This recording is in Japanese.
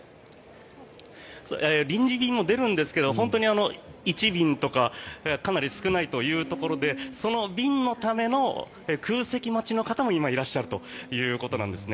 臨時便も出るんですけど本当に、１便とかかなり少ないというところでその便のための空席待ちの方も今、いらっしゃるということなんです。